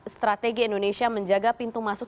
strategi indonesia menjaga pintu masuk